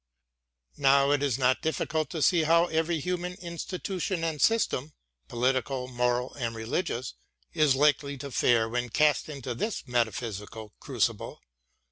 Now it is not difficult to see how every human institution and system, political, moral, and religious, is likely to fare when cast into this metaphysical crucible.